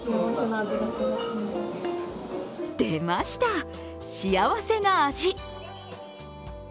出ました、幸せな味。